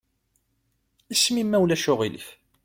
Isem-im ma ulac aɣilif?